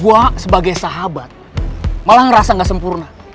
gue sebagai sahabat malah ngerasa gak sempurna